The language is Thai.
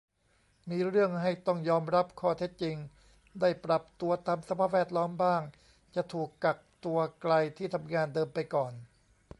มีเรื่องให้ต้องยอมรับข้อเท็จจริง ได้ปรับตัวตามสภาพแวดล้อม บ้างจะถูกกักตัวไกลที่ทำงานเดิมไปก่อน